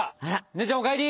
姉ちゃんお帰り！